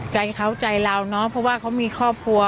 ใจเขาใจเราเนอะเพราะว่าเขามีครอบครัว